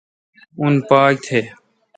اون پاک تھ۔